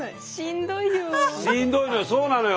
しんどいのよそうなのよ。